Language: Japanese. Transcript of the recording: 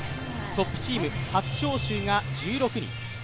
トップチーム初招集が１６人。